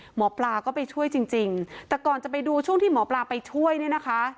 หมอปลาก็ไปช่วยจริงจริงแต่ก่อนจะไปดูช่วงที่หมอปลาไปช่วยเนี่ยนะคะ